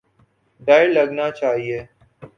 ڈر لگنا چاہیے۔